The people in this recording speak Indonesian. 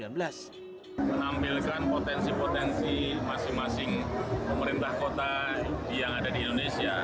menampilkan potensi potensi masing masing pemerintah kota yang ada di indonesia